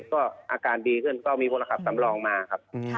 ก็อาการดีขึ้นก็มีพวกรถขับสำรองมาครับ